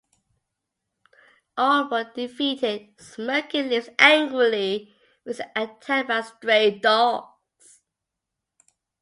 All but defeated, Smokey leaves angrily, but is attacked by stray dogs.